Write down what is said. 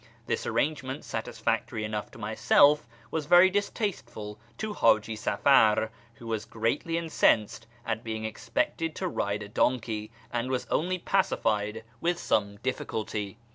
This arrangement, satisfactory enough to myself, was very distasteful to Haji Safar, who was greatly incensed at being expected to ride a donkey, and was only pacified with some difficulty.